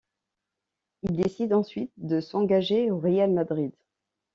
Il décide ensuite de s'engager au Real Madrid.